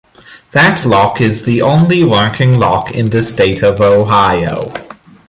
That lock is the only working lock in the state of Ohio.